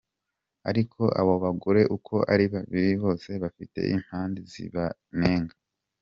Ariko abo bagore uko ari babiri bose bafite impande zibanenga.